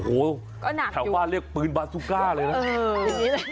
โอ้โหแถวบ้านเรียกปืนบาซูก้าเลยนะ